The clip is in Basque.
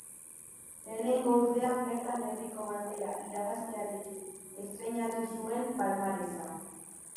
Lehenengo urtean bertan herriko bandera irabaztearekin estreinatu zuen palmaresa.